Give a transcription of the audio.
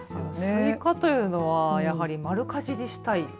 スイカというのはやはり丸かじりしたい。